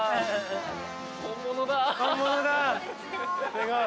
すごい！